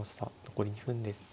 残り２分です。